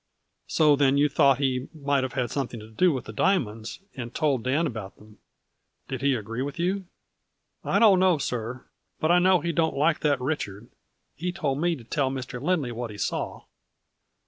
" So then you thought he might have had something to do with the diamonds, and told Dan about them. Did he agree with you ?"" I don't know, sir, but I know he don't like that Richard. He told me to tell Mr. Lindley what he saw."